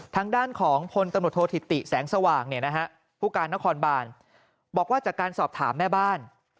ทางด้านของพลตำรวจโทษธิติแสงสว่างเนี่ยนะฮะผู้การนครบานบอกว่าจากการสอบถามแม่บ้าน